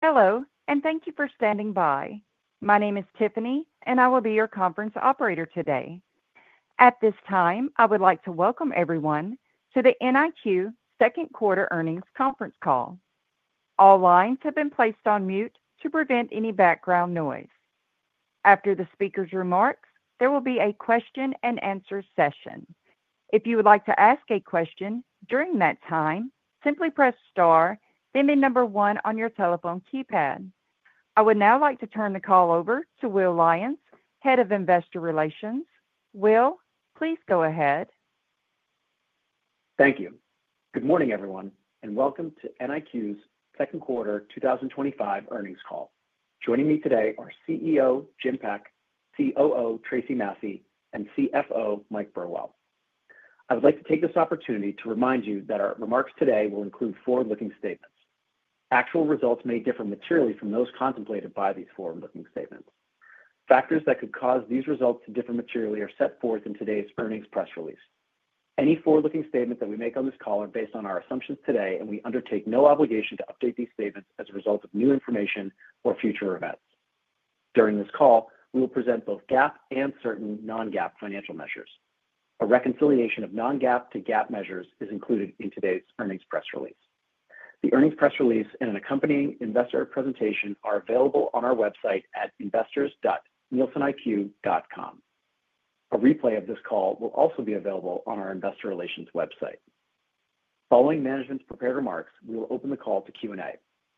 Hello, and thank you for standing by. My name is Tiffany, and I will be your conference operator today. At this time, I would like to welcome everyone to the NIQ Second Quarter Earnings Conference Call. All lines have been placed on mute to prevent any background noise. After the speaker's remarks, there will be a question-and-answer session. If you would like to ask a question during that time, simply press star, then the number one on your telephone keypad. I would now like to turn the call over to Will Lyons, Head of Investor Relations. Will, please go ahead. Thank you. Good morning, everyone, and welcome to NIQ's Second Quarter 2025 Earnings Call. Joining me today are CEO, Jim Peck, COO, Tracey Massey, and CFO, Mike Burwell. I would like to take this opportunity to remind you that our remarks today will include forward-looking statements. Actual results may differ materially from those contemplated by these forward-looking statements. Factors that could cause these results to differ materially are set forth in today's earnings press release. Any forward-looking statements that we make on this call are based on our assumptions today, and we undertake no obligation to update these statements as a result of new information or future events. During this call, we will present both GAAP and certain non-GAAP financial measures. A reconciliation of non-GAAP to GAAP measures is included in today's earnings press release. The earnings press release and an accompanying investor presentation are available on our website at investors.nieseniq.com. A replay of this call will also be available on our investor relations website. Following management's prepared remarks, we'll open the call to Q&A.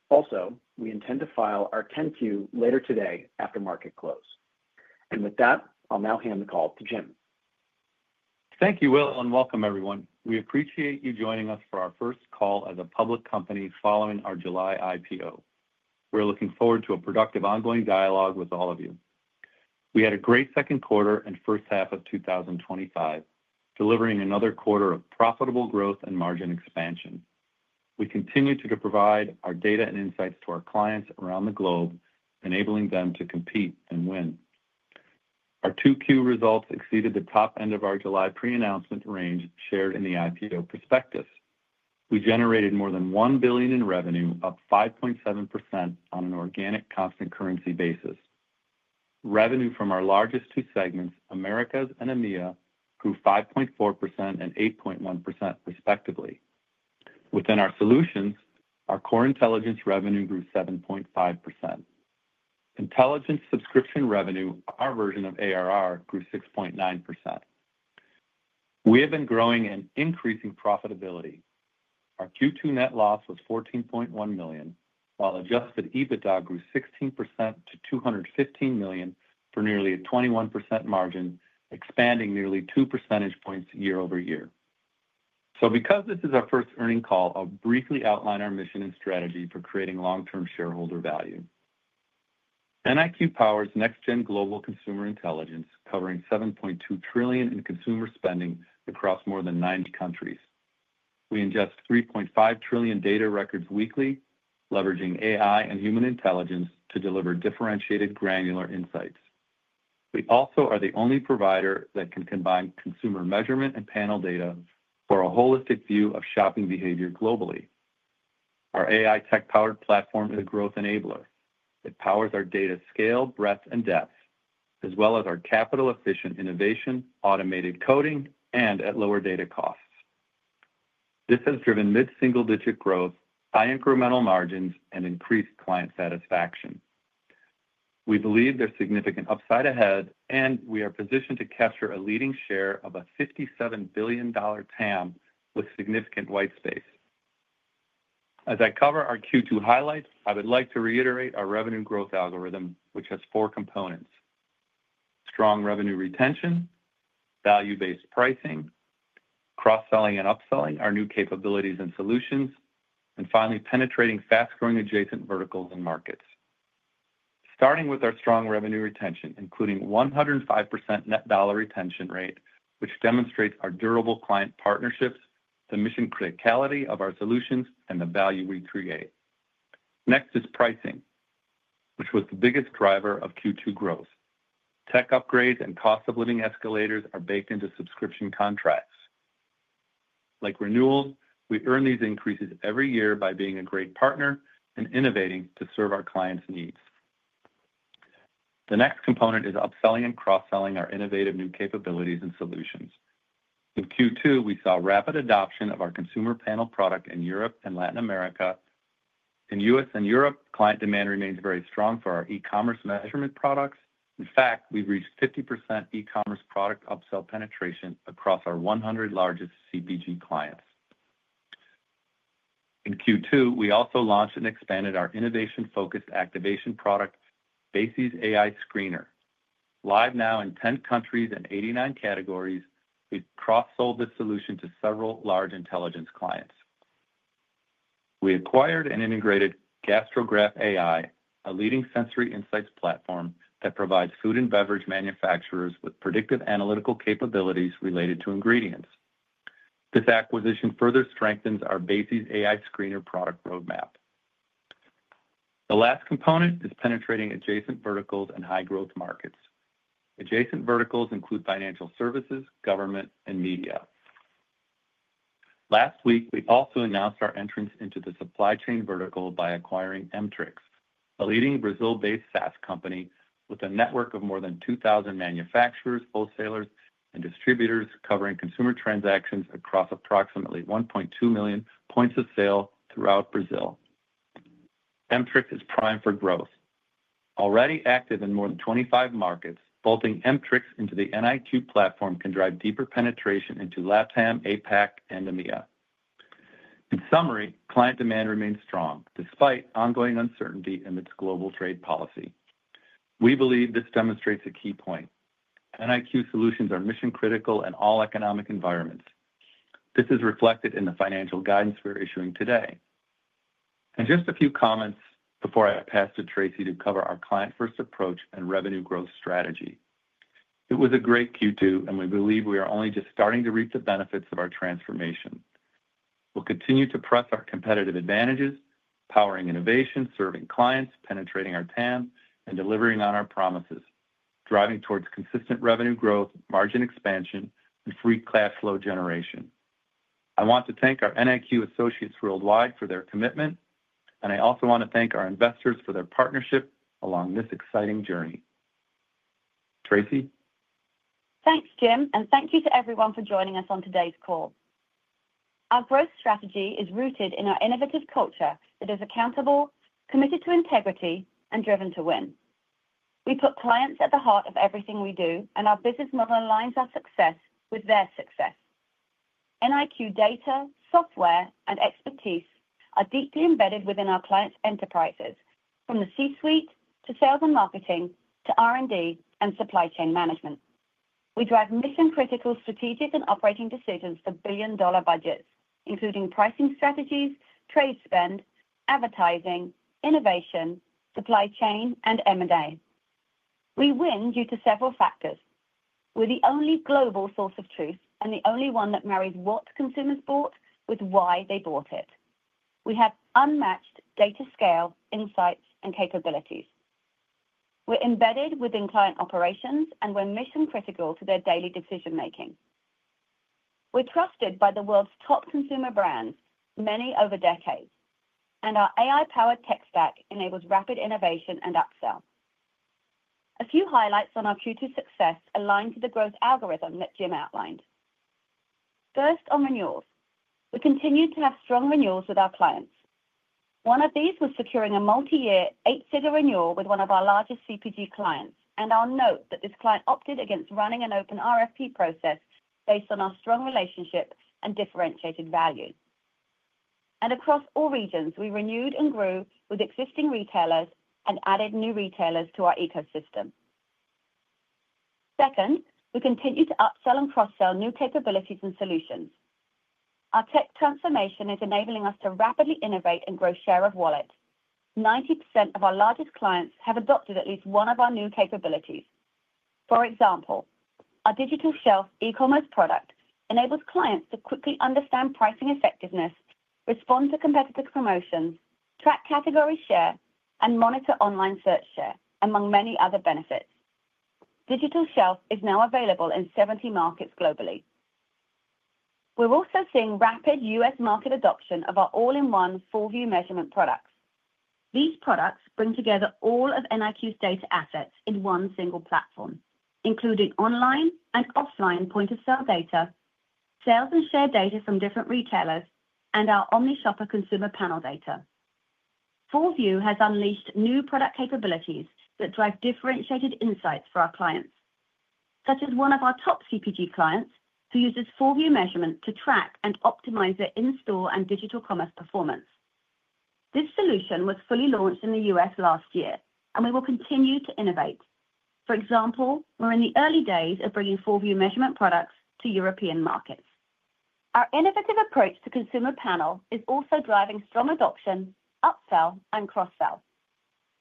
Also, wwe intend to file our 10-Q later today after market close. With that, I'll now hand the call to Jim. Thank you, Will and welcome, everyone. We appreciate you joining us for our first call as a public company, following our July IPO. We're looking forward to a productive ongoing dialogue with all of you. We had a great second quarter and first half of 2025, delivering another quarter of profitable growth and margin expansion. We continued to provide our data and insights to our clients around the globe, enabling them to compete and win. Our Q2 results exceeded the top end of our July pre-announcement range shared in the IPO prospectus. We generated more than $1 billion in revenue, up 5.7% on an organic constant currency basis. Revenue from our largest two segments, Americas and EMEA, grew 5.4% and 8.1% respectively. Within our solutions, our core intelligence revenue grew 7.5%. Intelligence subscription revenue, our version of ARR, grew 6.9%. We have been growing and increasing profitability. Our Q2 net loss was $14.1 million, while adjusted EBITDA grew 16% to $215 million for nearly a 21% margin, expanding nearly two percentage points year over year, so because this is our first earnings call, I'll briefly outline our mission and strategy for creating long-term shareholder value. NIQ powers next-gen global consumer intelligence, covering $7.2 trillion in consumer spending across more than 90 countries. We ingest 3.5 trillion data records weekly, leveraging AI and human intelligence to deliver differentiated granular insights. We also are the only provider that can combine consumer measurement and panel data, for a holistic view of shopping behavior globally. Our AI-tech-powered platform is a growth enabler. It powers our data scale, breadth, and depth, as well as our capital-efficient innovation, automated coding, and at lower data costs. This has driven mid-single-digit growth, high incremental margins, and increased client satisfaction. We believe there's significant upside ahead, and we are positioned to capture a leading share of a $57 billion TAM with significant white space. As I cover our Q2 highlights, I would like to reiterate our revenue growth algorithm, which has four components, strong revenue retention, value-based pricing, cross-selling and upselling our new capabilities and solutions, and finally penetrating fast-growing adjacent verticals and markets. Starting with our strong revenue retention, including 105% net dollar retention rate, which demonstrates our durable client partnerships, the mission-criticality of our solutions, and the value we create. Next is pricing, which was the biggest driver of Q2 growth. Tech upgrades and cost-of-living escalators are baked into subscription contracts. Like renewals, we earn these increases every year by being a great partner and innovating to serve our clients' needs. The next component is upselling and cross-selling our innovative new capabilities and solutions. In Q2, we saw rapid adoption of our consumer panel product in Europe and Latin America. In the U.S. and Europe, client demand remains very strong for our e-commerce measurement products. In fact, we've reached 50% e-commerce product upsell penetration across our 100 largest CPG clients. In Q2, we also launched and expanded our innovation-focused activation product, BASES AI Screener. Live now in 10 countries and 89 categories, we've cross-sold this solution to several large intelligence clients. We acquired and integrated Gastrograph AI, a leading sensory insights platform that provides food and beverage manufacturers with predictive analytical capabilities related to ingredients. This acquisition further strengthens our BASES AI Screener product roadmap. The last component is penetrating adjacent verticals and high-growth markets. Adjacent verticals include, financial services, government, and media. Last week, we also announced our entrance into the supply chain vertical by acquiring Mtrix, a leading Brazil-based SaaS company with a network of more than 2,000 manufacturers, wholesalers, and distributors covering consumer transactions across approximately 1.2 million points of sale throughout Brazil. Mtrix is primed for growth. Already active in more than 25 markets, bolting Mtrix into the NIQ platform can drive deeper penetration into LATAM, APAC, and EMEA. In summary, client demand remains strong, despite ongoing uncertainty amidst global trade policy. We believe this demonstrates a key point. NIQ solutions are mission-critical in all economic environments. This is reflected in the financial guidance we're issuing today. Just a few comments before I pass to Tracey to cover our client-first approach and revenue growth strategy. It was a great Q2, and we believe we are only just starting to reap the benefits of our transformation. We'll continue to press our competitive advantages, powering innovation, serving clients, penetrating our TAM, and delivering on our promises, driving towards consistent revenue growth, margin expansion, and free cash flow generation. I want to thank our NIQ associates worldwide for their commitment, and I also want to thank our investors for their partnership along this exciting journey. Tracey? Thanks, Jim, and thank you to everyone for joining us on today's call. Our growth strategy is rooted in our innovative culture, that is accountable, committed to integrity, and driven to win. We put clients at the heart of everything we do, and our business model aligns our success with their success. NIQ data, software, and expertise are deeply embedded within our clients' enterprises, from the C-suite to sales and marketing, to R&D and supply chain management. We drive mission-critical strategic and operating decisions for billion-dollar budgets, including pricing strategies, trade spend, advertising, innovation, supply chain, and M&A. We win due to several factors. We're the only global source of truth, and the only one that marries what the consumers bought with why they bought it. We have unmatched data scale, insights, and capabilities. We're embedded within client operations, and we're mission-critical to their daily decision-making. We're trusted by the world's top consumer brands, many over decades, and our AI-powered tech stack enables rapid innovation and upsell. A few highlights on our Q2 success aligns to the growth algorithm that Jim outlined. First, on renewals, we continue to have strong renewals with our clients. One of these was securing a multi-year eight-figure renewal with one of our largest CPG clients, and I'll note that this client opted against running an open RFP process based on our strong relationship and differentiated value. Across all regions, we renewed and grew with existing retailers and added new retailers to our ecosystem. Second, we continue to upsell and cross-sell new capabilities and solutions. Our tech transformation is enabling us to rapidly innovate and grow share of wallet. 90% of our largest clients have adopted at least one of our new capabilities. For example, our Digital Shelf eCommerce product enables clients to quickly understand pricing effectiveness, respond to competitors' promotions, track category share, and monitor online search share, among many other benefits. Digital Shelf is now available in 70 markets globally. We're also seeing rapid U.S. market adoption of our all-in-one Full View measurement products. These products bring together all of NIQ's data assets in one single platform, including online and offline point-of-sale data, sales and share data from different retailers, and our OmniShopper consumer panel data. Full View has unleashed new product capabilities that drive differentiated insights for our clients, such as one of our top CPG clients who uses Full View measurement to track and optimize their in-store and digital commerce performance. This solution was fully launched in the U.S. last year, and we will continue to innovate. For example, we're in the early days of bringing Full View measurement products to European markets. Our innovative approach to consumer panel is also driving strong adoption, upsell, and cross-sell.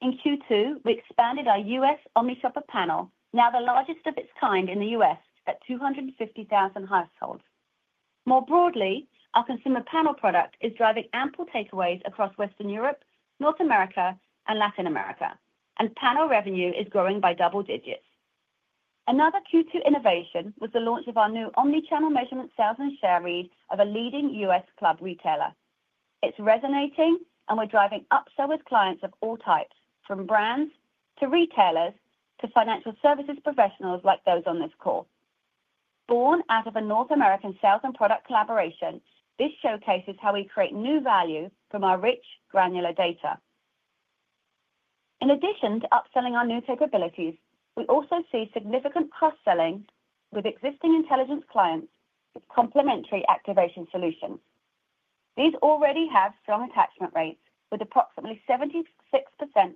In Q2, we expanded our U.S. OmniShopper panel, now the largest of its kind in the U.S., at 250,000 households. More broadly, our consumer panel product is driving ample takeaways across Western Europe, North America, and Latin America, and panel revenue is growing by double digits. Another Q2 innovation was the launch of our new omnichannel measurement sales and share read of a leading U.S. club retailer. It's resonating, and we're driving upsell with clients of all types, from brands to retailers, to financial services professionals like those on this call. Born out of a North American sales and product collaboration, this showcases how we create new value from our rich, granular data. In addition to upselling our new capabilities, we also see significant cross-selling with existing intelligence clients' complementary activation solutions. These already have strong attachment rates, with approximately 76%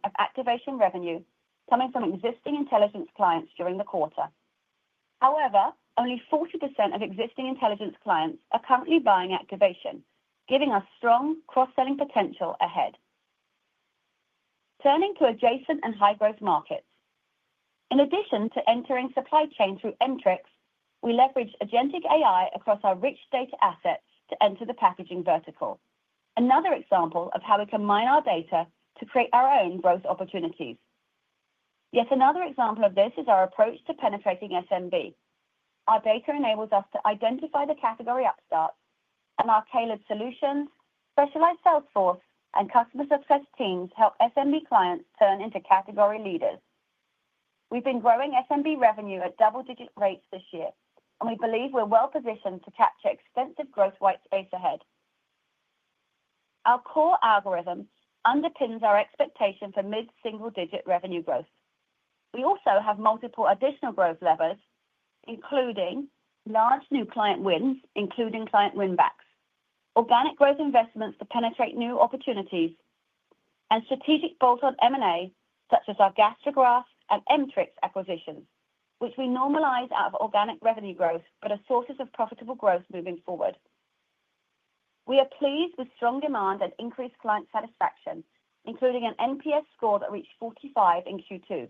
of activation revenue coming from existing intelligence clients during the quarter. However, only 40% of existing intelligence clients are currently buying activation, giving us strong cross-selling potential ahead. Turning to adjacent and high-growth markets. In addition to entering supply chain through Mtrix, we leverage agentic AI across our rich data assets to enter the packaging vertical, another example of how we combine our data to create our own growth opportunities. Yet another example of this is our approach to penetrating SMB. Our data enables us to identify the category upstarts, and our tailored solutions, specialized sales force, and customer success teams help SMB clients turn into category leaders. We've been growing SMB revenue at double-digit rates this year, and we believe we're well-positioned to capture extensive growth white space ahead. Our core algorithm underpins our expectations of mid-single-digit revenue growth. We also have multiple additional growth levers, including large new client wins, including client winbacks, organic growth investments to penetrate new opportunities, and strategic bolt-on M&A, such as our Gastrograph AI and Mtrix acquisitions, which we normalize out of organic revenue growth, but are sources of profitable growth moving forward. We are pleased with strong demand and increased client satisfaction, including an NPS score that reached 45 in Q2,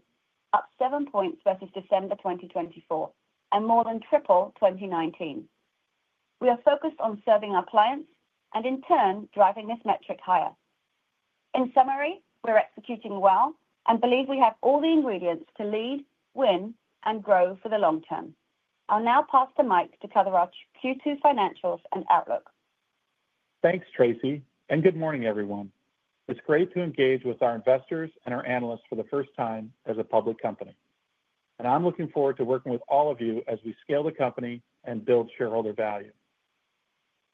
up 7 points versus December 2024, and more than triple 2019. We are focused on serving our clients, and in turn, driving this metric higher. In summary, we're executing well and believe we have all the ingredients to lead, win, and grow for the long term. I'll now pass to Mike to cover our Q2 financials and outlook. Thanks, Tracey. Good morning, everyone. It's great to engage with our investors and our analysts for the first time as a public company. I'm looking forward to working with all of you, as we scale the company and build shareholder value.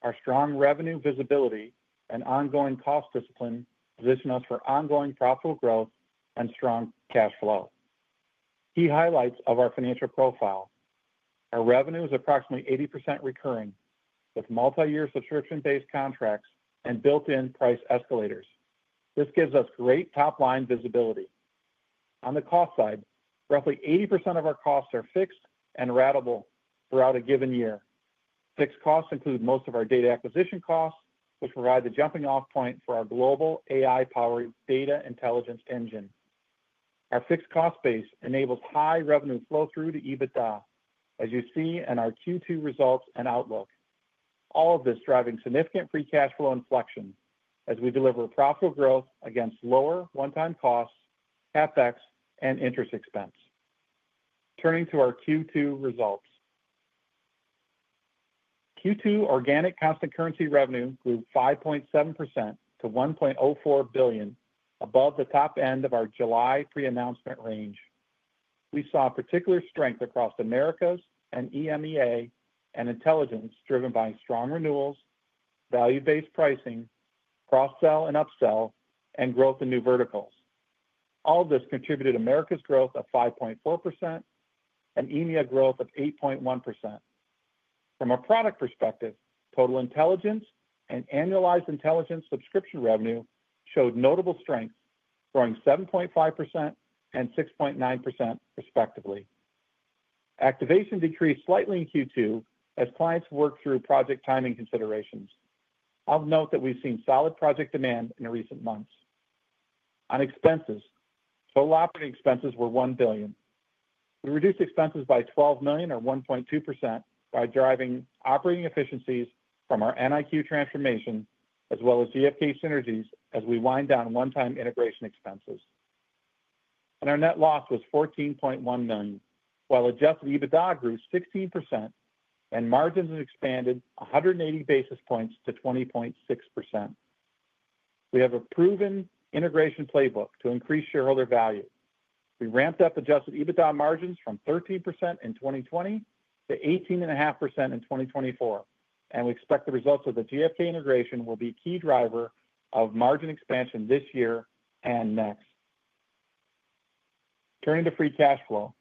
Our strong revenue visibility and ongoing cost discipline, position us for ongoing profitable growth and strong cash flow. Key highlights of our financial profile, our revenue is approximately 80% recurring, with multi-year subscription-based contracts and built-in price escalators. This gives us great top-line visibility. On the cost side, roughly 80% of our costs are fixed and ratable throughout a given year. Fixed costs include most of our data acquisition costs, which provide the jumping-off point for our global AI-powered data intelligence engine. Our fixed cost base enables high revenue flow through to EBITDA, as you see in our Q2 results and outlook. All of this is driving significant free cash flow inflection, as we deliver profitable growth against lower one-time costs, CapEx, and interest expense. Turning to our Q2 results. Q2 organic constant currency revenue grew 5.7% to $1.04 billion, above the top end of our July pre-announcement range. We saw particular strength across Americas and EMEA, and intelligence driven by strong renewals, value-based pricing, cross-sell and upsell, and growth in new verticals. All of this contributed to Americas growth of 5.4% and EMEA growth of 8.1%. From a product perspective, total intelligence and annualized intelligence subscription revenue showed notable strength, growing 7.5% and 6.9% respectively. Activation decreased slightly in Q2, as clients worked through project timing considerations. I'll note that we've seen solid project demand in recent months. On expenses, total operating expenses were $1 billion. We reduced expenses by $12 million or 1.2%, by driving operating efficiencies from our NIQ transformation, as well as GfK synergies, as we wind down one-time integration expenses. Our net loss was $14.1 million, while adjusted EBITDA grew 16% and margins expanded 180 basis points to 20.6%. We have a proven integration playbook to increase shareholder value. We ramped up adjusted EBITDA margins from 13% in 2020 to 18.5% in 2024, and we expect the results of the GfK integration will be a key driver of margin expansion this year and next. Turning to free cash flow,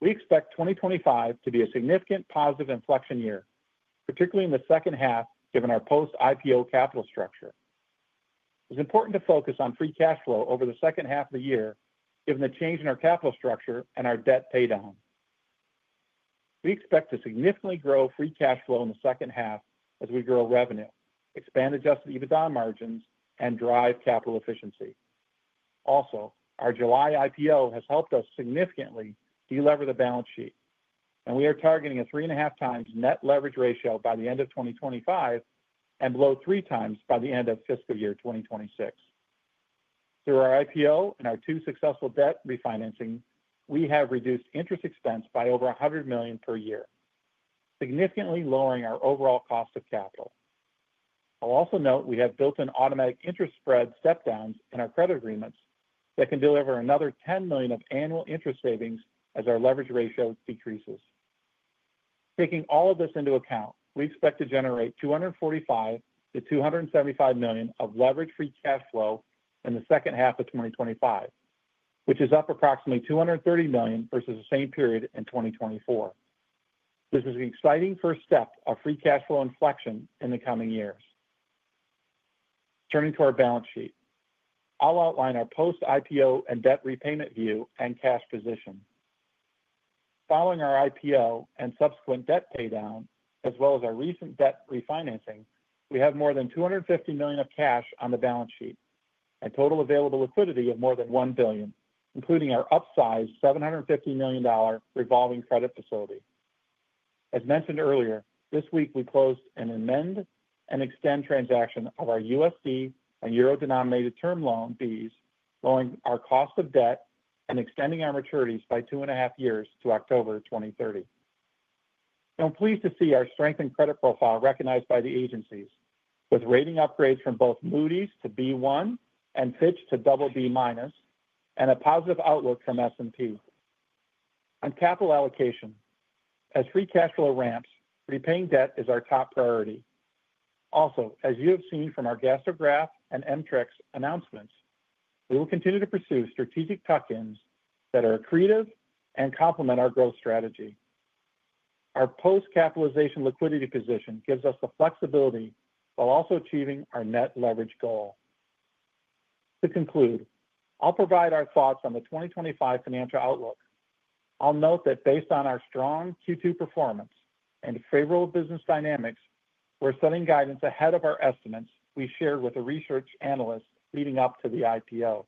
we expect 2025 to be a significant positive inflection year, particularly in the second half, given our post-IPO capital structure. It's important to focus on free cash flow over the second half of the year, given the change in our capital structure and our debt paydown. We expect to significantly grow free cash flow in the second half as we grow revenue, expand adjusted EBITDA margins, and drive capital efficiency. Also, our July IPO has helped us significantly delever the balance sheet, and we are targeting a 3.5x net leverage ratio by the end of 2025 and below 3x by the end of fiscal year 2026. Through our IPO and our two successful debt refinancing, we have reduced interest expense by over $100 million per year, significantly lowering our overall cost of capital. I'll also note, we have built-in automatic interest spread step-downs in our credit agreements, that can deliver another $10 million of annual interest savings as our leverage ratio decreases. Taking all of this into account, we expect to generate $245 million-$275 million of leveraged free cash flow in the second half of 2025, which is up approximately $230 million versus the same period in 2024. This is the exciting first step of free cash flow inflection in the coming years. Turning to our balance sheet, I'll outline our post-IPO and debt repayment view and cash position. Following our IPO and subsequent debt paydown, as well as our recent debt refinancing, we have more than $250 million of cash on the balance sheet and total available liquidity of more than $1 billion, including our upsized $750 million revolving credit facility. As mentioned earlier, this week we closed an amend and extend transaction of our USD and euro-denominated term loan fees, lowering our cost of debt and extending our maturities by two and a half years to October 2030. I'm pleased to see our strengthened credit profile recognized by the agencies, with rating upgrades from both Moody's to B1 and Fitch to BB- and a positive outlook from S&P. On capital allocation, as free cash flow ramps, repaying debt is our top priority. Also, as you have seen from our Gastrograph and MtrIx announcements, we will continue to pursue strategic tuck-ins that are accretive and complement our growth strategy. Our post-capitalization liquidity position gives us the flexibility while also achieving our net leverage goal. To conclude, I'll provide our thoughts on the 2025 financial outlook. I'll note that based on our strong Q2 performance and favorable business dynamics, we're setting guidance ahead of our estimates we shared with the research analysts leading up to the IPO.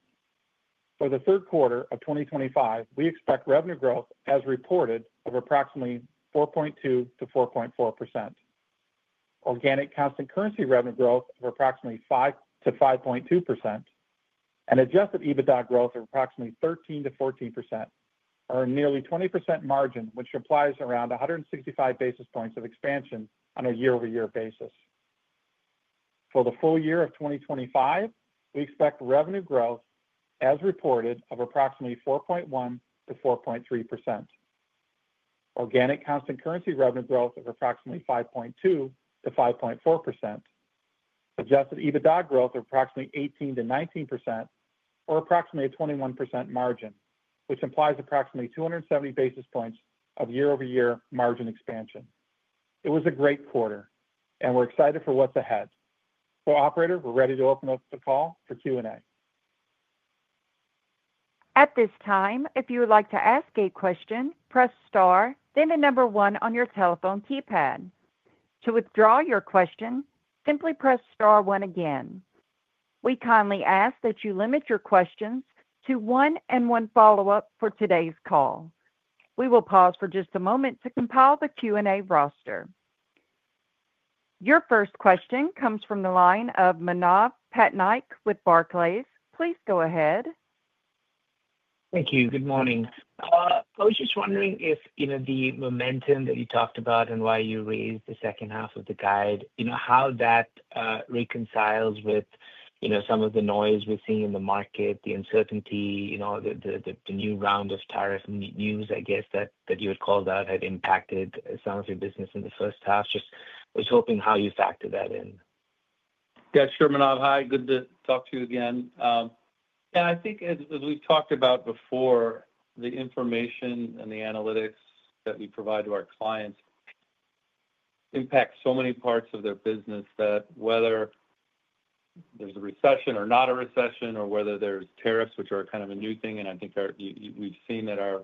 For the third quarter of 2025, we expect revenue growth, as reported, of approximately 4.2%-4.4%, organic constant currency revenue growth of approximately 5%-5.2%, and adjusted EBITDA growth of approximately 13%-14%, or a nearly 20% margin, which applies around 165 basis points of expansion on a year-over-year basis. For the full year of 2025, we expect revenue growth, as reported, of approximately 4.1%-4.3%, organic constant currency revenue growth of approximately 5.2%-5.4%, adjusted EBITDA growth of approximately 18%-19%, or approximately a 21% margin, which implies approximately 270 basis points of year-over-year margin expansion. It was a great quarter, and we're excited for what's ahead. Operator, we're ready to open up the call for Q&A. At this time, if you would like to ask a question, press star, then the number one on your telephone keypad. To withdraw your question, simply press star one again. We kindly ask that you limit your questions to one and one follow-up for today's call. We will pause for just a moment to compile the Q&A roster. Your first question comes from the line of Manav Patnaik with Barclays. Please go ahead. Thank you. Good morning. I was just wondering, the momentum that you talked about and why you raised the second half of the guide, how that reconciles with some of the noise we're seeing in the market, the uncertainty, the new round of tariff news I guess, that you had called out, had impacted some of your business in the first half. I was hoping how you factor that in. Yeah, sure. Manav, hi, good to talk to you again. I think as we've talked about before, the information and the analytics that we provide to our clients impact so many parts of their business, whether there's a recession or not a recession, or whether there's tariffs, which are kind of a new thing and I think we've seen that our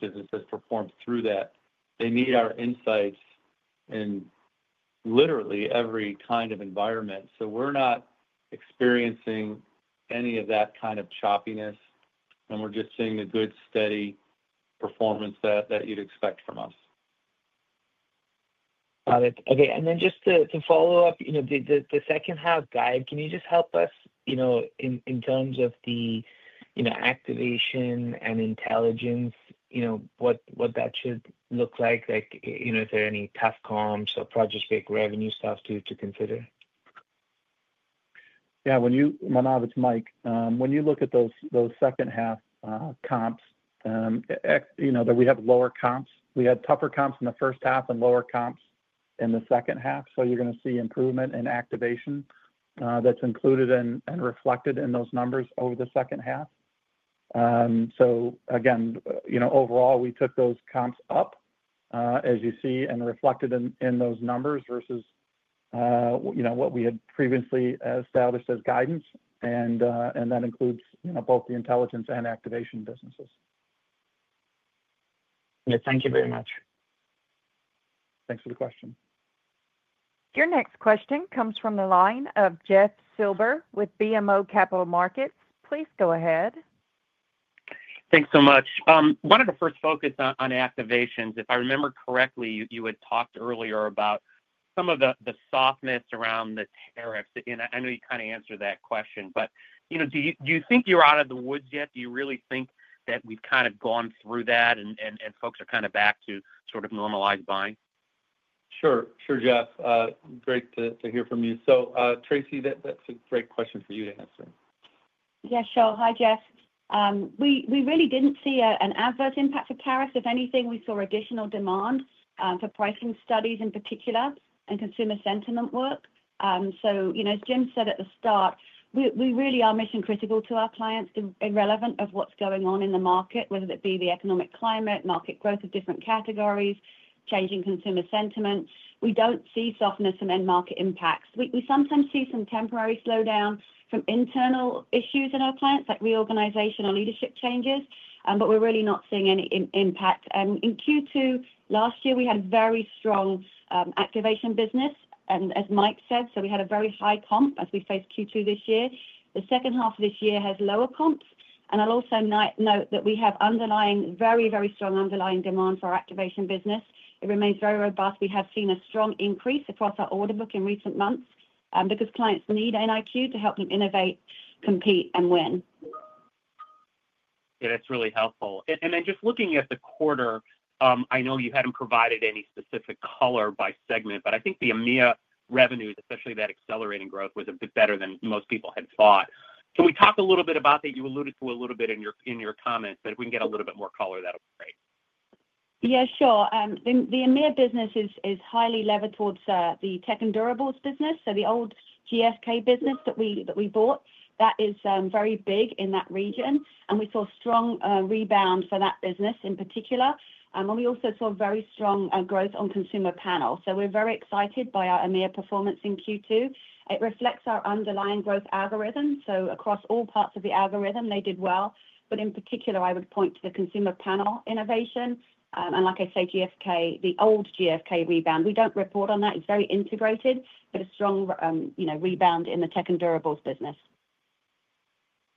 business has performed through that. They need our insights in literally every kind of environment. We're not experiencing any of that kind of choppiness, and we're just seeing the good, steady performance that you'd expect from us. Got it, okay. Just to follow up, the second half guide, can you help us in terms of the activation and intelligence, what that should look like? Is there any tough comps or project-based revenue stuff to consider? Yeah. Manav, it's Mike. When you look at those second-half comps, you know, that we have lower comps. We had tougher comps in the first half and lower comps in the second half. You are going to see improvement in activation, that's included and reflected in those numbers over the second half. Again, you know, overall, we took those comps up, as you see and reflected in those numbers versus what we had previously established as guidance. That includes both the intelligence and activation businesses. Thank you very much. Thanks for the question. Your next question comes from the line of Jeff Silber with BMO Capital Markets. Please go ahead. Thanks so much. I wanted to first focus on activations. If I remember correctly, you had talked earlier about some of the softness around the tariffs. Again, I know you kind of answered that question, but do you think you're out of the woods yet? Do you really think that we've kind of gone through that, and folks are kind of back to sort of normalized buying? Sure, Jeff. Great to hear from you. Tracey, that's a great question for you to answer. Yeah, sure. Hi, Jeff. We really didn't see an adverse impact of tariffs. If anything, we saw additional demand for pricing studies in particular and consumer sentiment work. As Jim said at the start, we really are mission-critical to our clients, irrelevant of what's going on in the market, whether it be the economic climate, market growth of different categories, changing consumer sentiments. We don't see softness from end-market impacts. We sometimes see some temporary slowdown from internal issues in our clients, like reorganization or leadership changes, but we're really not seeing any impact. In Q2 last year, we had a very strong activation business. As Mike said, we had a very high comp as we faced Q2 this year. The second half of this year has lower comps. I'll also note that we have very, very strong underlying demand for our activation business. It remains very robust. We have seen a strong increase across our order book in recent months, because clients need NIQ to help them innovate, compete, and win. Yeah, that's really helpful. Just looking at the quarter, I know you hadn't provided any specific color by segment, but I think the EMEA revenues, especially that accelerating growth, was a bit better than most people had thought. Can we talk a little bit about that? You alluded to a little bit in your comments, but if we can get a little bit more color, that would be great. Yeah, sure. The EMEA business is highly levered towards the tech and durables business. The old GfK business that we bought, that is very big in that region and we saw a strong rebound for that business in particular. We also saw very strong growth on consumer panel, so we're very excited by our EMEA performance in Q2. It reflects our underlying growth algorithm. Across all parts of the algorithm, they did well. In particular, I would point to the consumer panel innovation and like I say, the old GfK rebound. We don't report on that. It's very integrated, but a strong rebound in the tech and durables business.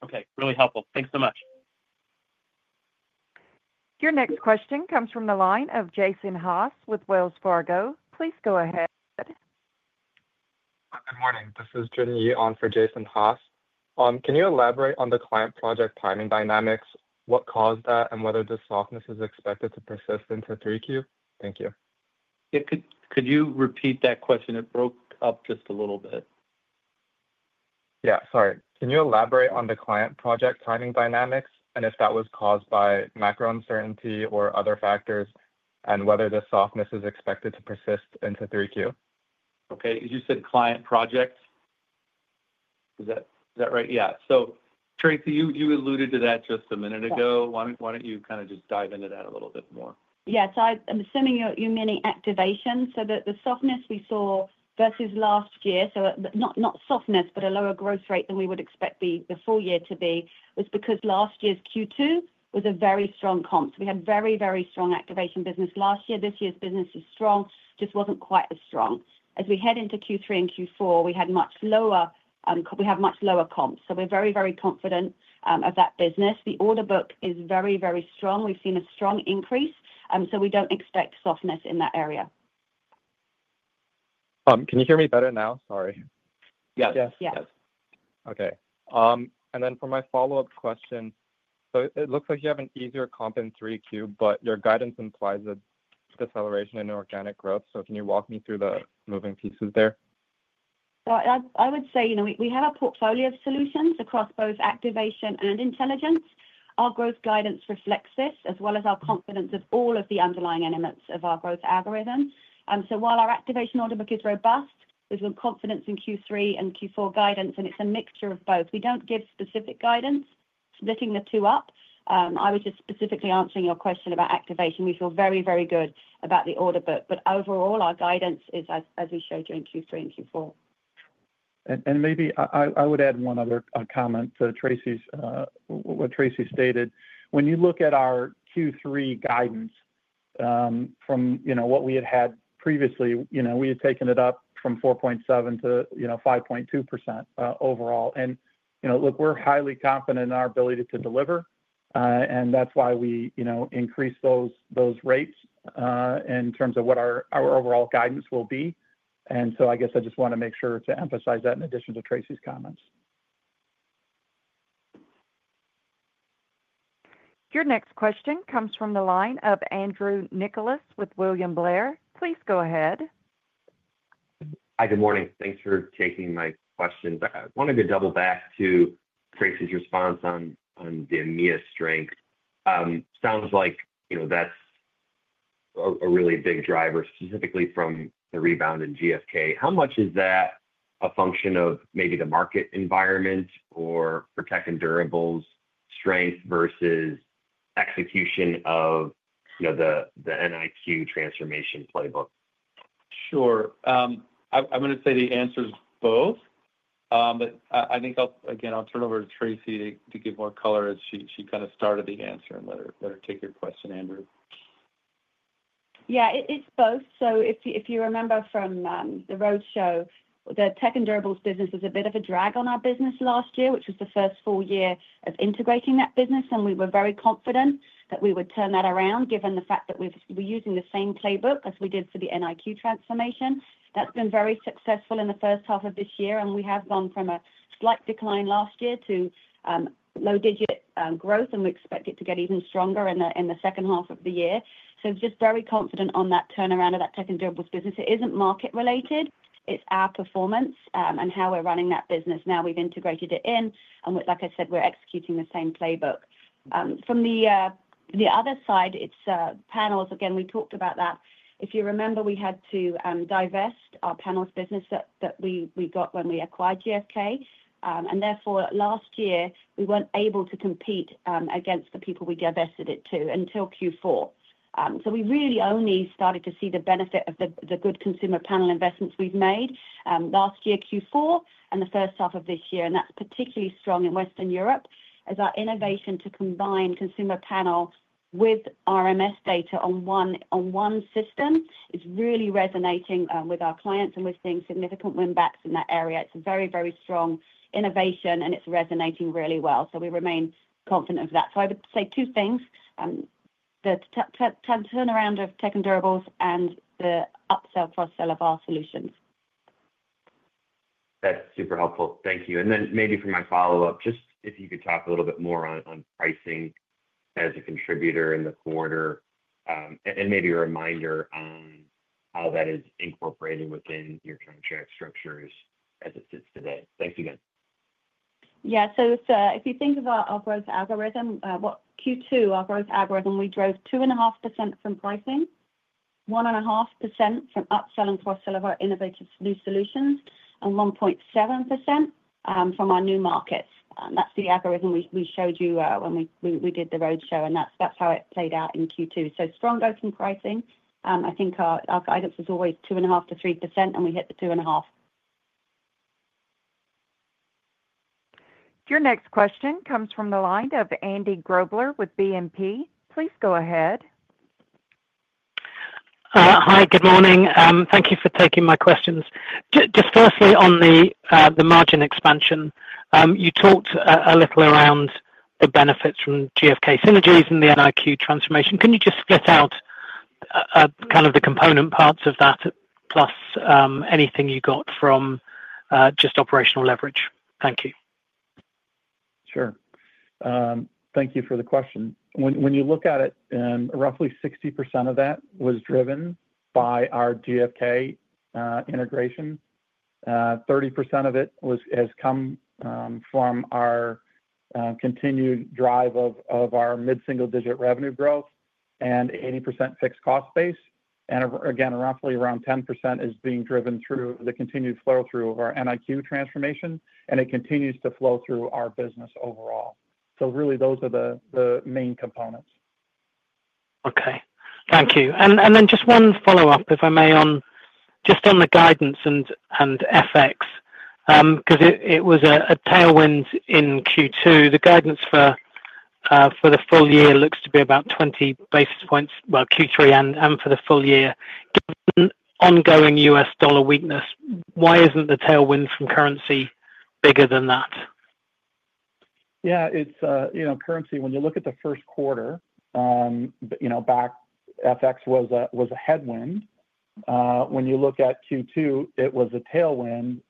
Okay, really helpful. Thanks so much. Your next question comes from the line of Jason Haas with Wells Fargo. Please go ahead. Good morning. This is [Jim Yee] on for Jason Haas. Can you elaborate on the client project timing dynamics, what caused that, and whether the softness is expected to persist into 3Q? Thank you. Yeah, could you repeat that question? It broke up just a little bit. Yeah, sorry. Can you elaborate on the client project timing dynamics, and if that was caused by macro uncertainty or other factors, and whether the softness is expected to persist into 3Q? Okay. You said client projects. Is that right? Yeah. Tracey, you alluded to that just a minute ago. Why don't you just dive into that a little bit more? Yeah, so I'm assuming you're meaning activation. The softness we saw versus last year, not softness, but a lower growth rate than we would expect the full year to be, was because last year's Q2 was a very strong comp. We had very, very strong activation business last year. This year's business is strong, just wasn't quite as strong. As we head into Q3 and Q4, we had much lower comps. We're very, very confident of that business. The order book is very, very strong. We've seen a strong increase, so we don't expect softness in that area. Can you hear me better now? Sorry. Yes. Yes. Okay. For my follow-up question, so it looks like you have an easier comp in 3Q, but your guidance implies a deceleration in organic growth. Can you walk me through the moving pieces there? I would say, you know, we have a portfolio of solutions across both activation and intelligence. Our growth guidance reflects this, as well as our confidence of all of the underlying elements of our growth algorithm. While our activation order book is robust, there's a confidence in Q3 and Q4 guidance, and it's a mixture of both. We don't give specific guidance, splitting the two up. I was just specifically answering your question about activation. We feel very, very good about the order book, but overall, our guidance is as we showed during Q3 and Q4. Maybe I would add one other comment to what Tracey stated. When you look at our Q3 guidance from what we had previously, we had taken it up from 4.7% to 5.2% overall. We're highly confident in our ability to deliver. That's why we increased those rates in terms of what our overall guidance will be. I just want to make sure to emphasize that in addition to Tracey's comments. Your next question comes from the line of Andrew Nicholas with William Blair. Please go ahead. Hi, good morning. Thanks for taking my question. I wanted to double back to Tracey's response on the EMEA strength. It sounds like that's a really big driver, specifically from the rebound in GfK. How much is that a function of maybe the market environment or protecting durables strength versus execution of the NIQ transformation playbook? Sure. I'm going to say the answer is both. I think again, I'll turn over to Tracey to give more color as she kind of started the answer, and let her take your question, Andrew. Yeah, it's both. If you remember from the roadshow, the tech and durables business was a bit of a drag on our business last year, which was the first full year of integrating that business. We were very confident that we would turn that around, given the fact that we're using the same playbook as we did for the NIQ transformation. That's been very successful in the first half of this year. We have gone from a slight decline last year to low-digit growth, and we expect it to get even stronger in the second half of the year. It's just very confident on that turnaround of that tech and durables business. It isn't market-related. It's our performance and how we're running that business. Now we've integrated it in, and like I said, we're executing the same playbook. From the other side, it's panels. Again, we talked about that. If you remember, we had to divest our panels business that we got when we acquired GfK. Therefore, last year, we weren't able to compete against the people we divested it to until Q4. We really only started to see the benefit of the good consumer panel investments we've made last year, Q4 and the first half of this year. That's particularly strong in Western Europe, as our innovation to combine consumer panel with RMS data on one system is really resonating with our clients, and we're seeing significant winbacks in that area. It's a very, very strong innovation, and it's resonating really well, so we remain confident of that. I would say two things, the turnaround of tech and durables and the upsell/cross-sell of our solutions. That's super helpful. Thank you. Maybe for my follow-up, just if you could talk a little bit more on pricing as a contributor in the quarter, and maybe a reminder on how that is incorporated within your contract structures as it sits today. Thanks again. Yeah. If you think of our growth algorithm, Q2 our growth algorithm, we drove 2.5% from pricing, 1.5% from upsell and cross-sell of our innovative new solutions, and 1.7% from our new markets. That's the algorithm we showed you when we did the roadshow, and that's how it played out in Q2. Strong growth in pricing. I think our guidance is always 2.5%-3%, and we hit the 2.5%. Your next question comes from the line of Andy Grobler with BNP. Please go ahead. Hi, good morning. Thank you for taking my questions. Just firstly, on the margin expansion, you talked a little around the benefits from GfK synergies and the NIQ transformation. Can you just split out kind of the component parts of that, plus anything you got from just operation leverage? Thank you. Sure. Thank you for the question. When you look at it, roughly 60% of that was driven by our GfK integration. 30% of it has come from our continued drive of our mid-single-digit revenue growth, and 80% fixed cost base. Again, roughly around 10% is being driven through the continued flow-through of our NIQ transformation, and it continues to flow through our business overall. Really, those are the main components. Okay, thank you. Just one follow-up, if I may, just on the guidance and FX, because it was a tailwind in Q2. The guidance for the full year looks to be about 20 basis points, but Q3 and for the full year, ongoing U.S. dollar weakness. Why isn't the tailwind from currency bigger than that? Yeah, it's, you know, currency. When you look at the first quarter, you know, FX was a headwind. When you look at Q2, it was a tailwind.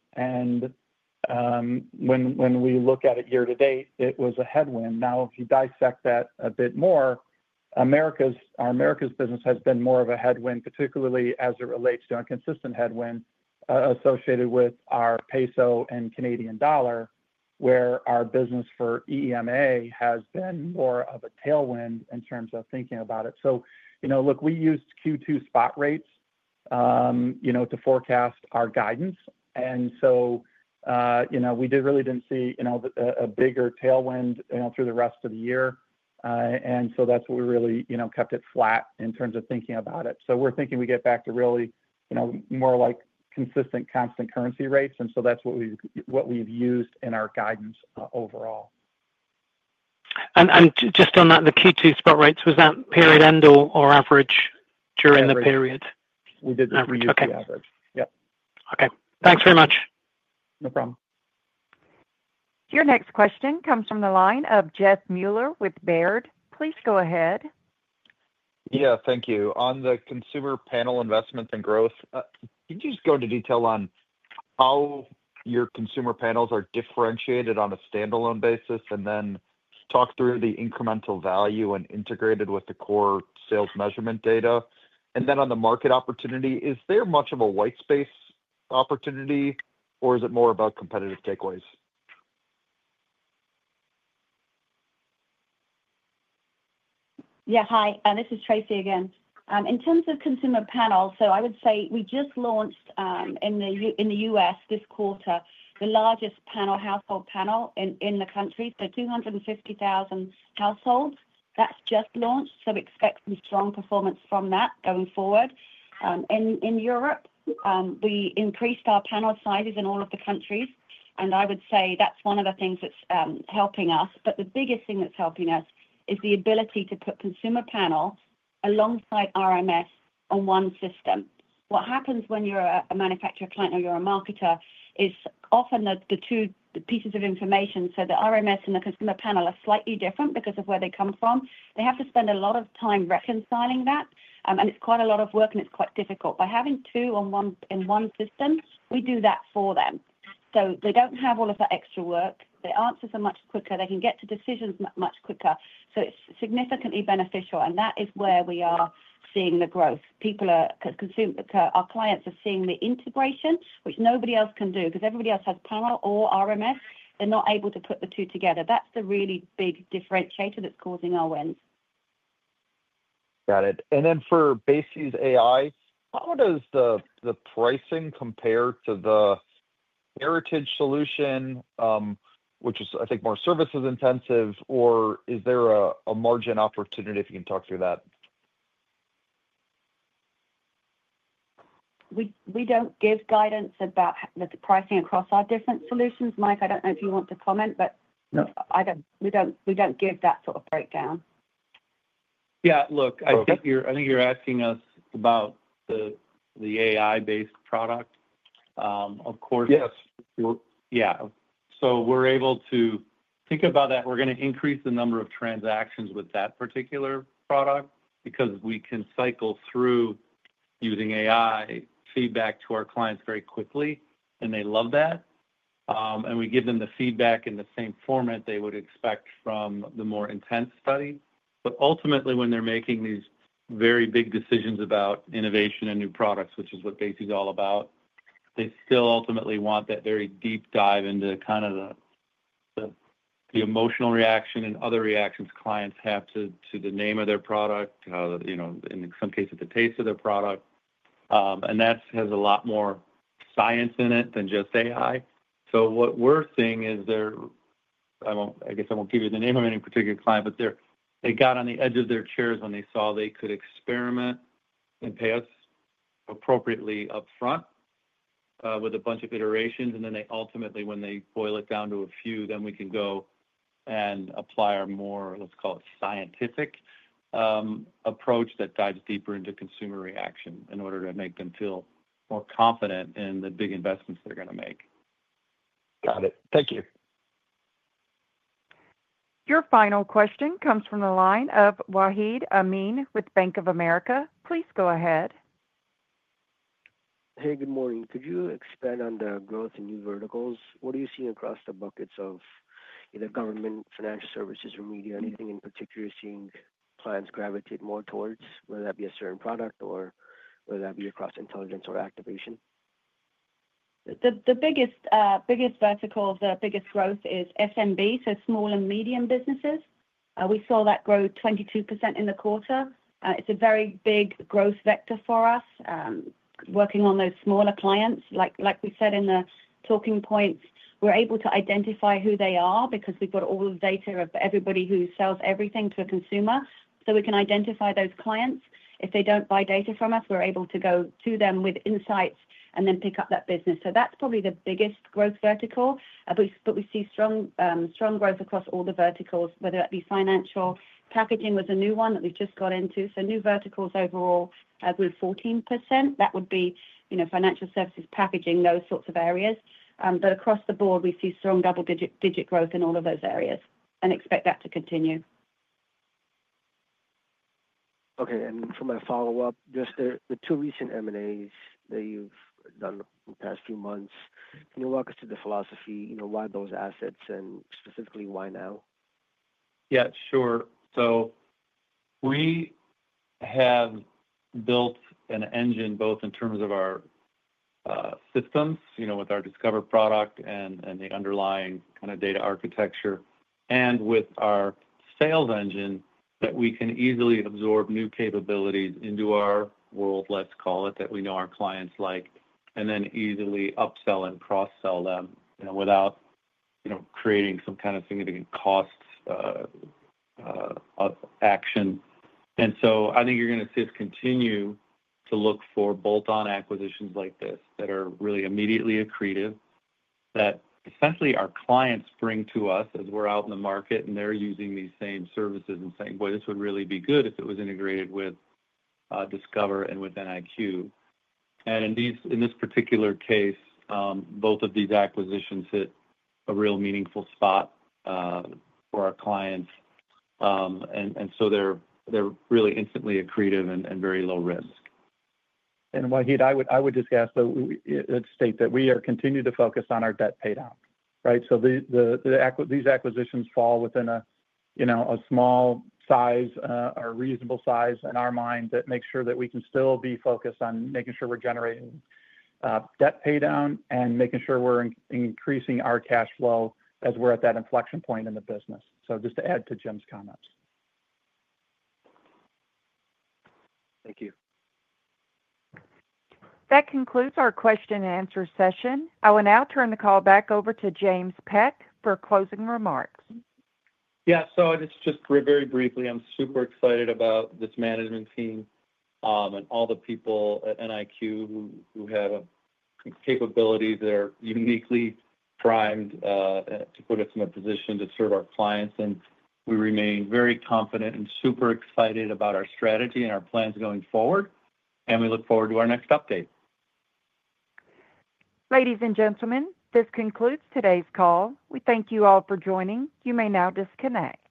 When we look at it year to date, it was a headwind. Now, if you dissect that a bit more, our Americas business has been more of a headwind, particularly as it relates to our consistent headwind associated with our peso and Canadian dollar, where our business for EMEA has been more of a tailwind in terms of thinking about it. Look, we used Q2 spot rates to forecast our guidance, and so we really didn't see a bigger tailwind through the rest of the year. We really kept flat in terms of thinking about it. We're thinking we get back to really more like consistent constant currency rates, and so that's what we've used in our guidance overall. Just on that, the Q2 spot rates, was that period end or average during the period? We didn't ever use the average. Okay, thanks very much. No problem. Your next question comes from the line of Jeff Meuler with Baird. Please go ahead. Thank you. On the consumer panel investments and growth, can you just go into detail on how your consumer panels are differentiated on a standalone basis, and then talk through the incremental value when integrated with the core sales measurement data? On the market opportunity, is there much of a white space opportunity or is it more about competitive takeaways? Yeah, hi. This is Tracey again. In terms of consumer panels, so I would say, we just launched in the U.S. this quarter, the largest household panel in the country, so 250,000 households. That's just launched, so we expect some strong performance from that going forward. In Europe, we increased our panel sizes in all of the countries, and I would say that's one of the things that's helping us. The biggest thing that's helping us is the ability to put consumer panels alongside RMS on one system. What happens when you're a manufacturer client or you're a marketer is, often the two pieces of information, so the RMS and the consumer panel are slightly different because of where they come from. They have to spend a lot of time reconciling that, and it's quite a lot of work and it's quite difficult. By having two in one system, we do that for them. They don't have all of that extra work. The answers are much quicker. They can get to decisions much quicker. It's significantly beneficial, and that is where we are seeing the growth. Our clients are seeing the integration, which nobody else can do because everybody else has panel or RMS. They're not able to put the two together. That's the really big differentiator that's causing our wins. Got it. For BASES AI, how does the pricing compare to the heritage solution, which is, I think more services-intensive? Is there a margin opportunity? If you can talk through that We don't give guidance about the pricing across our different solutions. Mike, I don't know if you want to comment, but we don't give that sort of breakdown. Yeah. Look, I think you're asking us about the AI-based product. Of course, yes. Yeah, so we're able to think about that. We're going to increase the number of transactions with that particular product because we can cycle through using AI feedback to our clients very quickly, and they love that. We give them the feedback in the same format they would expect from the more intense study. Ultimately, when they're making these very big decisions about innovation and new products, which is what BASES is all about, they still ultimately want that very deep dive into the emotional reaction and other reactions clients have to the name of their product, you know, in some cases, the taste of their product. That has a lot more science in it than just AI. What we're seeing is, I guess I won't give you the name of any particular client, but they got on the edge of their chairs when they saw they could experiment and pay us appropriately upfront with a bunch of iterations. They ultimately, when they boil it down to a few, then we can go and apply our more, let's call it scientific approach that dives deeper into consumer reaction, in order to make them feel more confident in the big investments they're going to make. Got it. Thank you. Your final question comes from the line of Wahid Amin with Bank of America. Please go ahead. Hey, good morning. Could you expand on the growth in new verticals? What are you seeing across the buckets of either government, financial services, or media, or anything in particular you're seeing clients gravitate more towards, whether that be a certain product or whether that be across intelligence or activation? The biggest vertical of the biggest growth is SMB, so small and medium businesses. We saw that grow 22% in the quarter. It's a very big growth vector for us. Working on those smaller clients, like we said in the talking points, we're able to identify who they are because we've got all the data of everybody who sells everything to a consumer. We can identify those clients. If they don't buy data from us, we're able to go to them with insights and then pick up that business. That's probably the biggest growth vertical. We see strong growth across all the verticals, whether that be financial. Packaging was a new one that we've just got into. New verticals overall grew 14%. That would be, you know, financial services, packaging, those sorts of areas. Across the board, we see strong double-digit growth in all of those areas and expect that to continue. Okay. For my follow-up, just the two recent M&As that you've done in the past few months, can you walk us through the philosophy, you know, why those assets and specifically why now? Yeah, sure. We have built an engine both in terms of our systems, with our Discover product and the underlying kind of data architecture, and with our sales engine, that we can easily absorb new capabilities into our world, let's call it, that we know our clients like, and then easily upsell and cross-sell them without creating some kind of significant cost action. I think you're going to see us continue to look for bolt-on acquisitions like this that are really immediately accretive, that essentially our clients bring to us, as we're out in the market and they're using these same services and saying, "Boy, this would really be good if it was integrated with Discover and with NIQ." In this particular case, both of these acquisitions hit a real meaningful spot for our clients. They're really instantly accretive and very low risk. Wahid, I would just ask that we state that we are continuing to focus on our debt paydown. These acquisitions fall within a small size or reasonable size in our mind, that makes sure that we can still be focused on making sure we're generating debt paydown and making sure we're increasing our cash flow as we're at that inflection point in the business. Just to add to Jim's comments. Thank you. That concludes our question-and-answer session. I will now turn the call back over to Jim Peck for closing remarks. Yeah. Just very briefly, I'm super excited about this management team and all the people at NIQ who have capabilities that are uniquely primed to put us in a position to serve our clients. We remain very confident and super excited about our strategy and our plans going forward, and we look forward to our next update. Ladies and gentlemen, this concludes today's call. We thank you all for joining. You may now disconnect.